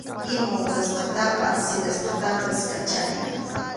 Ima watasqatapas sirasqatapas kachariy.